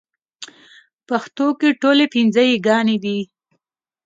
پښتو کې ټولې پنځه يېګانې دي